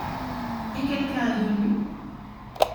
Et quelqu’un est venu ?